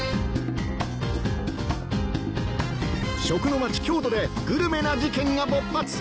食の町・京都でグルメな事件が勃発！